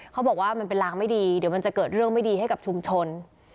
เขาบอกว่ามันเป็นรางไม่ดีเดี๋ยวมันจะเกิดเรื่องไม่ดีให้กับชุมชน